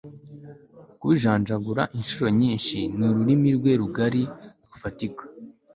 kubijanjagura inshuro nyinshi nururimi rwe rugari, rufatika